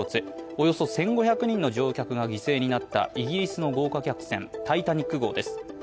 およそ１５００人の乗客が犠牲になったイギリスの豪華客船「タイタニック号」です。